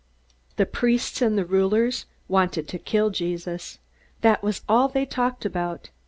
The priests and the rulers wanted to kill Jesus. That was all they talked about.